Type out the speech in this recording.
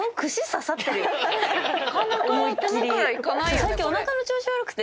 最近おなかの調子悪くて。